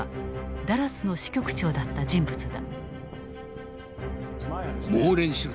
ダラスの支局長だった人物だ。